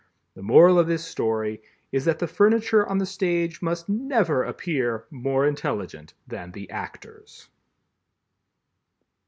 The moral of this story is that the furniture on the stage must never appear more intelligent than the actors.